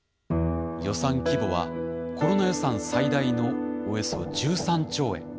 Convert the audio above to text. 予算規模はコロナ予算最大のおよそ１３兆円。